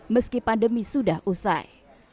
meski pandemi sudah usai